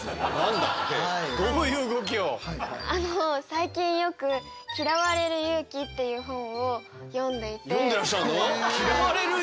最近よく「嫌われる勇気」っていう本を読んでらっしゃるの？